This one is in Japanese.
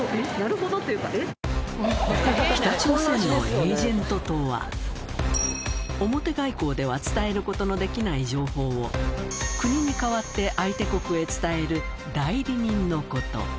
北朝鮮の表外交では伝えることのできない情報を国に代わって相手国へ伝える代理人のこと